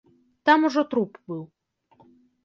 Там ужо труп быў.